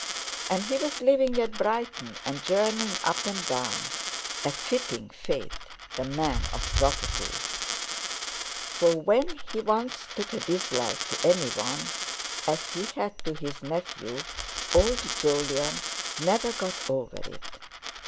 And he was living at Brighton, and journeying up and down—a fitting fate, the man of property! For when he once took a dislike to anyone—as he had to his nephew—old Jolyon never got over it.